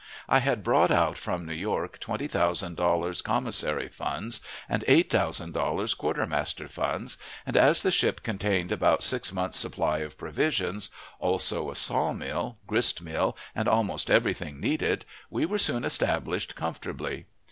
I had brought out from New York twenty thousand dollars commissary funds, and eight thousand dollars quartermaster funds, and as the ship contained about six months' supply of provisions, also a saw mill, grist mill, and almost every thing needed, we were soon established comfortably.